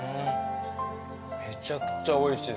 めちゃくちゃおいしい。